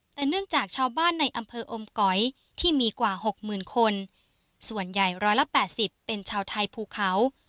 แต่เนื่องจากชาวบ้านในอำเภออมก๋อยที่มีกว่าหกหมื่นคนส่วนใหญ่๑๘๐เป็นชาวไทยภูเขา